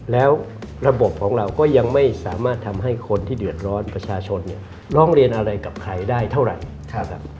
แล้วระบบของเราก็ยังไม่สามารถทำให้คนที่เดือดร้อนประชาชนเนี่ยร้องเรียนอะไรกับใครได้เท่าไหร่นะครับ